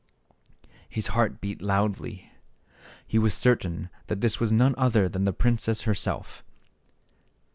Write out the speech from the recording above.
His heart beat loudly. He was certain that this was none other than the princess herself.